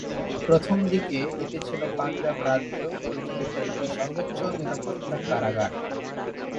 প্রথম দিকে এটি ছিল পাঞ্জাব রাজ্য পরিচালিত একটি সর্বোচ্চ নিরাপত্তার কারাগার।